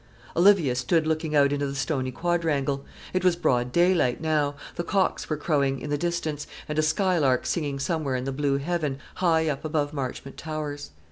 Olivia stood looking out into the stony quadrangle. It was broad daylight now; the cocks were crowing in the distance, and a skylark singing somewhere in the blue heaven, high up above Marchmont Towers.